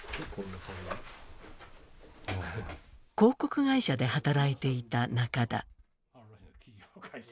広告会社で働いていた中田。